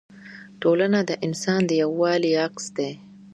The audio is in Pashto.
ټولنه د انسان د یووالي عکس دی.